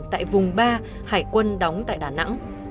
tại vùng ba hải quân đóng tại đà nẵng